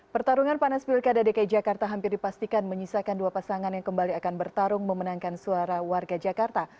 pertarungan panas pilkada dki jakarta hampir dipastikan menyisakan dua pasangan yang kembali akan bertarung memenangkan suara warga jakarta